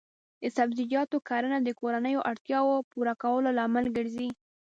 د سبزیجاتو کرنه د کورنیو اړتیاوو پوره کولو لامل ګرځي.